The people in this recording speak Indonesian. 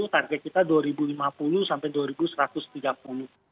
target kita rp dua lima puluh sampai rp dua satu ratus tiga puluh